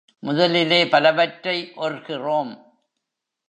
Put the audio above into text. முதலிலே பவலவற்றை ஒர்கிறோம்.